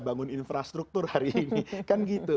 bangun infrastruktur hari ini kan gitu